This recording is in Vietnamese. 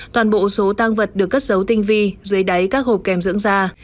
toàn bộ số tăng vật được cất dấu tinh vi dưới đáy các hộp kèm dưỡng da